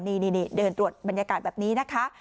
นี่เดินตรวจบรรยากาศแบบนี้นะคะ